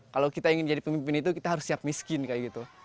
kalau kita ingin jadi pemimpin itu kita harus siap miskin kayak gitu